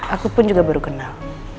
aku pun juga baru kenal